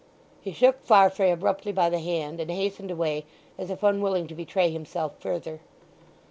He shook Farfrae abruptly by the hand, and hastened away as if unwilling to betray himself further.